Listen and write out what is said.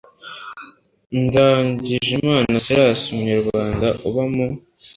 ndagijimana silasi umunyarwanda uba mu